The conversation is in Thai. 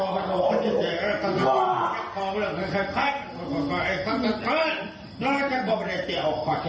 ห์ฮ่าฮ่าฮ่า